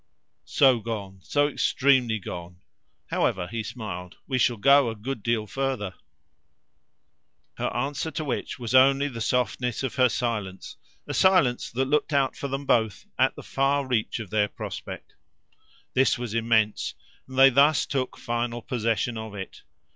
"So gone. So extremely gone. However," he smiled, "we shall go a good deal further." Her answer to which was only the softness of her silence a silence that looked out for them both at the far reach of their prospect. This was immense, and they thus took final possession of it.